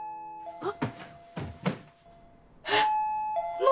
あっ！